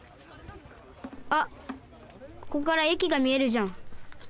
あっここからえきがみえるじゃん。